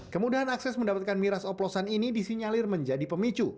kemudahan akses mendapatkan miras oplosan ini disinyalir menjadi pemicu